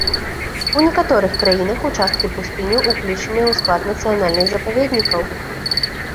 У некаторых краінах участкі пустыняў уключаныя ў склад нацыянальных запаведнікаў.